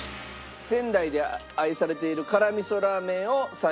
仙台で愛されている辛味噌ラーメンを再現しております。